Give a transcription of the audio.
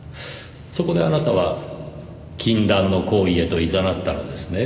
そこであなたは禁断の行為へと誘ったのですね